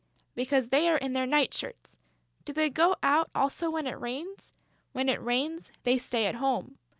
"Because they are in their night shirts." "Do they go out also when it rains?" "When it rains, they stay at home."